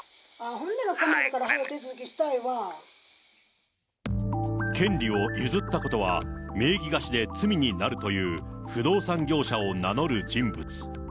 ほんなら困るから、はよ、手続き権利を譲ったことは、名義貸しで罪になるという不動産業者を名乗る人物。